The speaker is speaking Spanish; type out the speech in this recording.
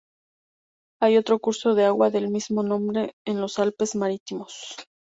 Hay otro curso de agua del mismo nombre en los Alpes Marítimos.